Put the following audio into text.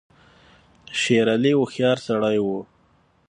شېر علي هوښیار سړی وو.